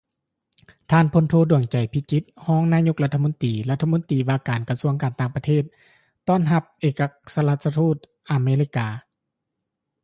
ທ່ານ ພົນໂທ ດວງໃຈ ພິຈິດ ຮອງນາຍົກລັດຖະມົນຕີ ລັດຖະມົນຕີວ່າການ ກະຊວງປ້ອງກັນປະເທດ ຕ້ອນຮັບ ເອກອັກຄະລັດຖະທູດ ສອາເມລິກາ